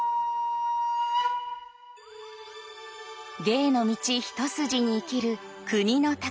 芸の道一筋に生きる国のたから。